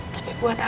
tapi buat apa papa